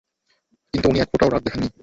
কিন্তু উনি এক ফোঁটাও রাগ দেখাননি।